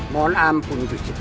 mohon ampun gusti prabu